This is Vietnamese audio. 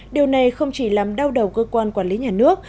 điều này không chỉ làm đau đầu cơ quan quản lý nhà nước